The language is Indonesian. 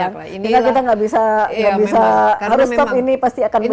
kita tidak bisa harus stop ini pasti akan begini